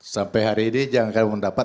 sampai hari ini jangan kagum dapat